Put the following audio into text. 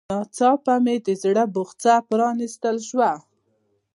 ناڅاپه مې د زړه بوخڅه په پرانيستل شوه.